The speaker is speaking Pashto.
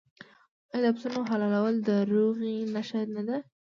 آیا د پسونو حلالول د روغې نښه نه ده؟